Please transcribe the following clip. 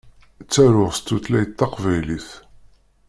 Ttaruɣ s tutlayt taqbaylit.